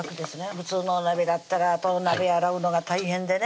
普通のお鍋だったらあと鍋洗うのが大変でね